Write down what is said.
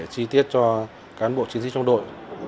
chi tiết cho cán bộ chiến sĩ trong đội